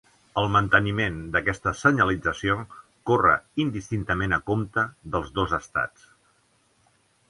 El manteniment d'aquesta senyalització corre indistintament a compte dels dos Estats.